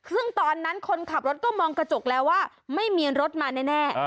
ซึ่งตอนนั้นคนขับรถก็มองกระจกแล้วว่าไม่มีรถมาแน่